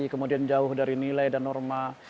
kemudian jauh dari nilai dan norma